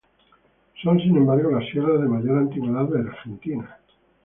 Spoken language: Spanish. Son sin embargo las sierras de mayor antigüedad de Argentina.